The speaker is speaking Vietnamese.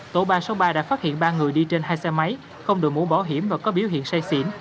tổ ba trăm sáu mươi ba đã phát hiện ba người đi trên hai xe máy không đổi mũ bảo hiểm và có biểu hiện say xỉn